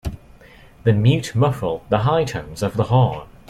The mute muffled the high tones of the horn.